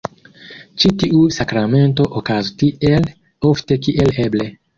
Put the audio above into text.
Ĉi tiu sakramento okazu tiel ofte kiel eble.